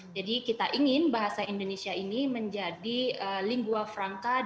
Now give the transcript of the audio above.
jadi kita ingin bahasa indonesia ini menjadi lingua frangka di asing